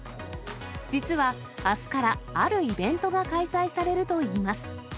実はあすからあるイベントが開催されるといいます。